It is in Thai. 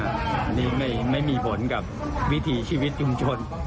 อันนี้ไม่มีผลกับวิถีชีวิตชุมชน